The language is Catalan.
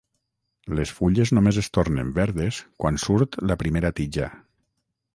Les fulles només es tornen verdes quan surt la primera tija.